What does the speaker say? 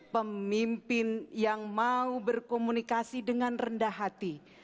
pemimpin yang mau berkomunikasi dengan rendah hati